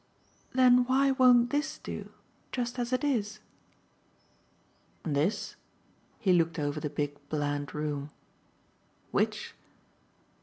"Then why won't THIS do, just as it is?" "'This'?" He looked over the big bland room. "Which?"